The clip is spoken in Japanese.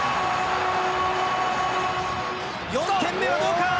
４点目はどうか？